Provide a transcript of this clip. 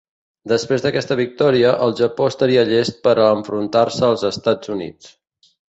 Després d'aquesta victòria, el Japó estaria llest per a enfrontar-se als Estats Units.